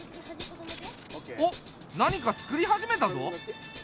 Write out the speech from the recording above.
おっ何かつくり始めたぞ。